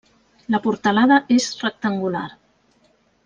La portalada és rectangular.